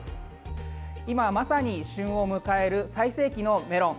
今、まさに旬を迎える最盛期のメロン。